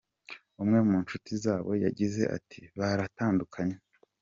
Umwe mu nshuti zabo yagize ati “Baratandukanye.